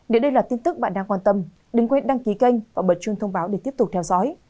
nếu đây là tin tức bạn đang quan tâm đừng quên đăng ký kênh và bật chuông thông báo để tiếp tục theo dõi